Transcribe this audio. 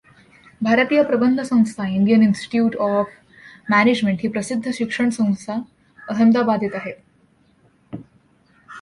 भारतीय प्रबंध संस्था इंडियन इन्स्टिट्यूट ऑफ मॅनेजमेन्ट ही प्रसिद्ध शिक्षणसंस्था अहमदाबादेत आहे.